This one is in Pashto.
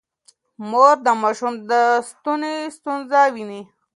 مور د ماشوم د ستوني ستونزه ويني.